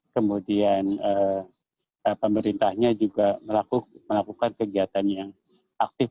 kemudian pemerintahnya juga melakukan kegiatan yang aktif